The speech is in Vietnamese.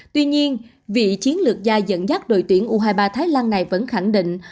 tuy nhiên vị chiến lược gia dẫn dắt đội tuyển u hai mươi ba thái lan này vẫn khẳng định